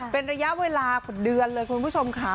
เป็นระยะเวลากว่าเดือนเลยคุณผู้ชมค่ะ